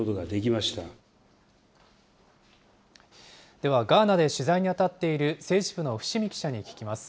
では、ガーナで取材に当たっている政治部の伏見記者に聞きます。